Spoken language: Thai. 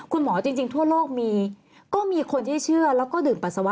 คุณหมอจริงทั่วโลกมีก็มีคนที่เชื่อแล้วก็ดื่มปัสสาวะ